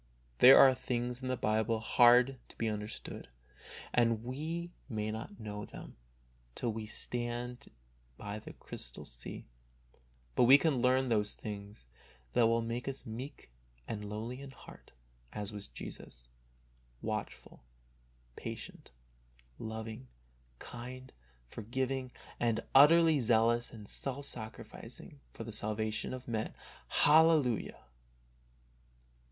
There are things in the Bible hard to be understood, and we may not know them till we stand by the crystal sea, but we can learn those things that will make us meek and lowly in heart as was Jesus, watchful, patient, loving, kind, forgiving, and utterly zealous and self sacrificing for the salvation of men. Hallelujah